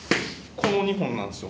この２本なんですよ